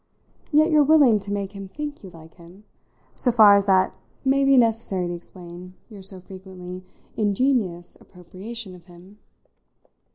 Yet you're willing to make him think you like him, so far as that may be necessary to explain your so frequently ingenious appropriation of him.